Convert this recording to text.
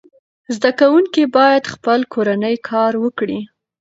زده کوونکي باید خپل کورنی کار وکړي.